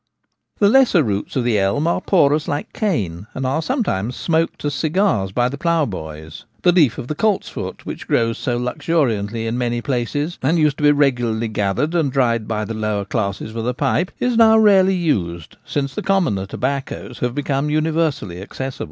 The lesser roots of the elm are porous like cane, and are sometimes smoked as cigars by the plough boys. The leaf of the coltsfoot, which grows so luxuriously in many places and used to be regularly gathered and dried by the lower classes for the pipe, is now rarely used since the commoner tobaccos have become universally accessible.